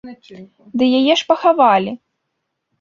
Ды яе ж пахавалі!